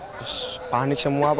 terus panik semua